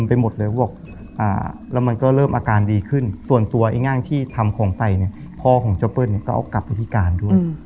พ่อของไตเนี่ยพ่อของเจ้าเปิ้ลเนี่ยก็เอากลับไปที่กาลด้วย